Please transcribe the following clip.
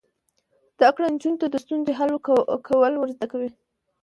زده کړه نجونو ته د ستونزو حل کول ور زده کوي.